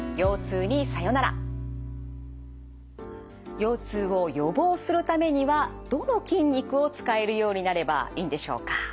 腰痛を予防するためにはどの筋肉を使えるようになればいいんでしょうか？